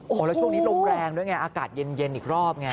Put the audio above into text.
โอ้โหแล้วช่วงนี้ลมแรงด้วยไงอากาศเย็นอีกรอบไง